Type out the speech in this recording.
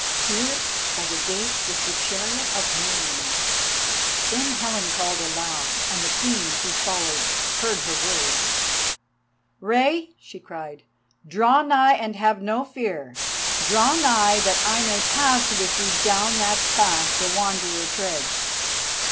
Here by the gates was the chariot of Meriamun. Then Helen called aloud, and the Queen, who followed, heard her words: "Rei," she cried, "draw nigh and have no fear. Draw nigh that I may pass with thee down that path the Wanderer treads.